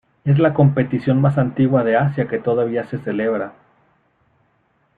Es la competición más antigua de Asia que todavía se celebra.